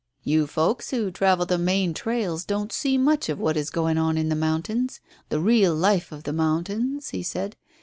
"You folks who travel the main trails don't see much of what is going on in the mountains the real life of the mountains," he said.